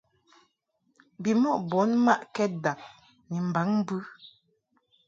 Bimɔʼ bun mmaʼkɛd dag ni mbaŋ mbɨ.